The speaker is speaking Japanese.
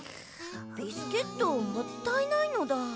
ビスケットもったいないのだ。